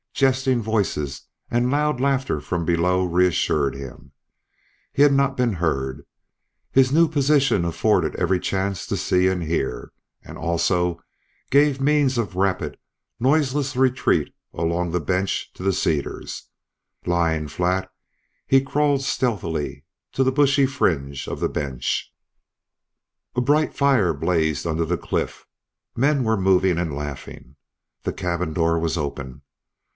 Jesting voices and loud laughter from below reassured him. He had not been heard. His new position afforded every chance to see and hear, and also gave means of rapid, noiseless retreat along the bench to the cedars. Lying flat he crawled stealthily to the bushy fringe of the bench. A bright fire blazed under the cliff. Men were moving and laughing. The cabin door was open.